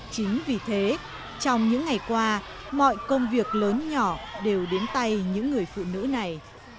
chính vì thế trong những ngày qua mọi công việc lớn nhỏ đều đến tay những người phụ nữ này